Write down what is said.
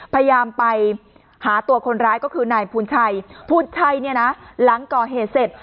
พยายามไปหาตัวคนร้ายก็คือนายภูนชัยภูนชัยเนี่ยนะหลังก่อเหตุเสร็จ